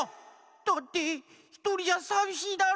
だってひとりじゃさびしいだろ！